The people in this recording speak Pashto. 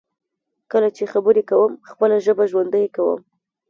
کله چې خبرې کوم، خپله ژبه ژوندی کوم.